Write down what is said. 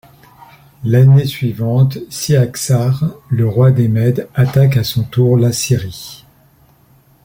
L'année suivante, Cyaxare le roi des Mèdes attaque à son tour l'Assyrie.